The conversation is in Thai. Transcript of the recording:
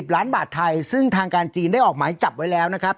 ล้านบาทไทยซึ่งทางการจีนได้ออกหมายจับไว้แล้วนะครับ